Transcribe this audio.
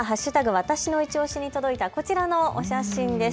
わたしのいちオシに届いたこちらのお写真です。